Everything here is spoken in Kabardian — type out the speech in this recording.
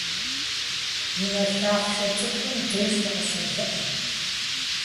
Унэ лъахъшэ цӀыкӀум деж дыкъыщоувыӀэ.